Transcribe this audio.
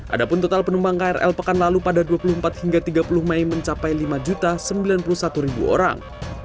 ada pun total penumpang krl pekan lalu pada dua puluh empat hingga tiga puluh mei mencapai lima sembilan puluh satu orang